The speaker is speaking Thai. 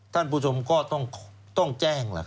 ท่านผู้ชมก็ต้องแจ้งล่ะ